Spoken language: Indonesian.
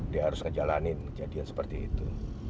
dia harus ngejalanin kejadian seperti itu